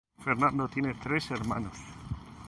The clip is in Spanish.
Fernando tiene tres hermanos.